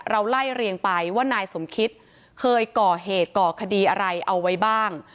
ไล่เรียงไปว่านายสมคิตเคยก่อเหตุก่อคดีอะไรเอาไว้บ้าง